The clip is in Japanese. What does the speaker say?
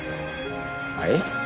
はい？